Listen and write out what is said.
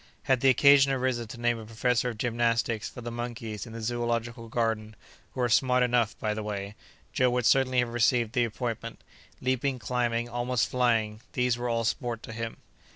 Had the occasion arisen to name a professor of gymnastics for the monkeys in the Zoological Garden (who are smart enough, by the way!), Joe would certainly have received the appointment. Leaping, climbing, almost flying—these were all sport to him.